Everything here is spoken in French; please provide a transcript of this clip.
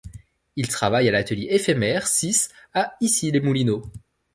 Il travaille à L’atelier éphémère, sis à Issy-les-Moulineaux.